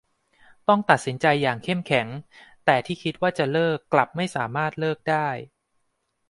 ต้องตัดสินใจอย่างเข้มแข็ง แต่ที่คิดว่าจะเลิกกลับไม่สามารถเลิกได้